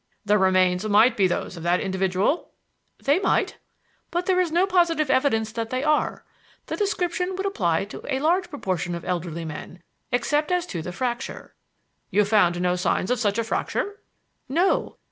"The remains might be those of that individual?" "They might; but there is no positive evidence that they are. The description would apply to a large proportion of elderly men, except as to the fracture." "You found no signs of such a fracture?" "No.